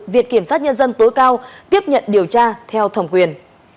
viện kiểm sát nhân dân tối cao tiếp nhận điều tra theo thẩm quyền